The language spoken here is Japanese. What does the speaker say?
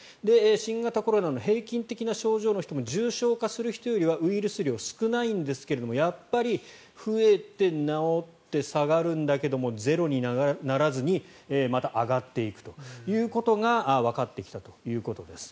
新型コロナの平均的な症状の人よりは重症化する人よりはウイルス量少ないんですがやっぱり増えて治って下がるんだけどゼロにならずにまた上がっていくことがわかってきたということです。